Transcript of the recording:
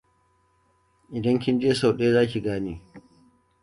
Idan kin je sau ɗaya, za ki gane.